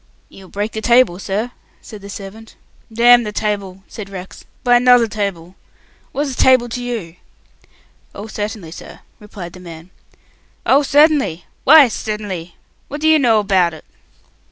"You'll break the table, sir," said the servant. "Damn the table!" said Rex. "Buy 'nother table. What's table t'you?" "Oh, certainly, sir," replied the man. "Oh, c'ert'nly! Why c'ert'nly? What do you know about it?"